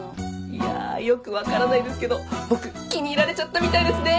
いやあよくわからないですけど僕気に入られちゃったみたいですね！